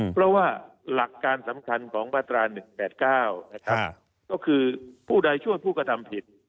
เพราะว่าหลักการสำคัญของมาตรา๑๘๙นะครับก็คือผู้ใดช่วยผู้กระทำผิด